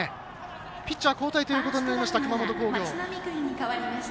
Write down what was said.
ピッチャー交代ということになりました、熊本工業。